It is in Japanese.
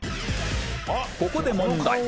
ここで問題